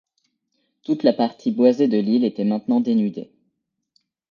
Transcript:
Toute la partie boisée de l’île était maintenant dénudée